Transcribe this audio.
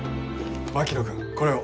槙野君これを。